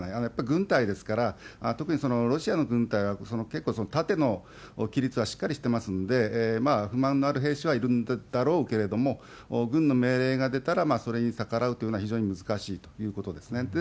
やっぱり軍隊ですから、特にそのロシアの軍隊は結構縦の規律はしっかりしてますんで、不満のある兵士はいるんだろうけれども、軍の命令が出たら、それに逆らうというのは非常に難しいということですね。